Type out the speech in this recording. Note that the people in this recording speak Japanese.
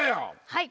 はい！